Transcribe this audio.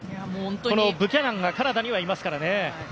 このブキャナンがカナダにはいますからね。